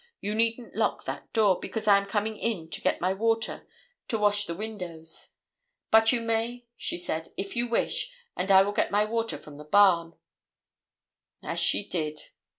"You needn't lock that door, because I am coming in to get my water to wash the windows; but you may," she said, "if you wish, and I will get my water from the barn," as she did.